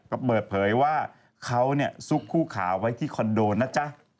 ก็เปิดเผยว่าเขาซุกคู่ขาไว้ที่คอนโดนะจ๊ะ